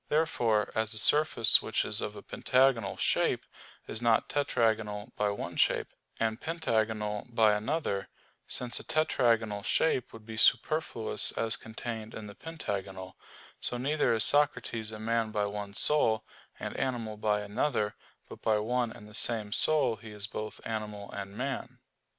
Therefore, as a surface which is of a pentagonal shape, is not tetragonal by one shape, and pentagonal by another since a tetragonal shape would be superfluous as contained in the pentagonal so neither is Socrates a man by one soul, and animal by another; but by one and the same soul he is both animal and man.